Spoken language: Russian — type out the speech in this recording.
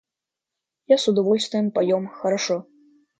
Я с удовольствием поем хорошо.